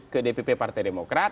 ke dpp partai demokrat